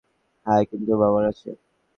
হ্যাঁ, কিন্তু ওর বাবার আছে।